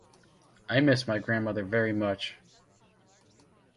I miss my grandmother very much.